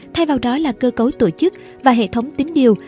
thay vào đó là cơ cấu tổ chức và hệ thống tính điều